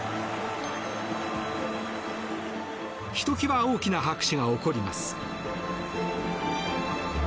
ひときわ大きな拍手が起こります。